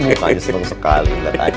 muka dia seru sekali